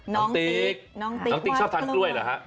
น้องติ๊กน้องติ๊กชอบทานกล้วยเหรอครับ